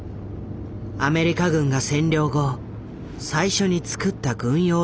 アメリカ軍が占領後最初に造った軍用道路だ。